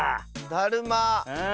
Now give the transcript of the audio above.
だるま。